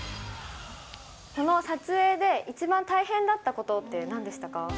この撮影で、一番大変だったことってなんでしたか？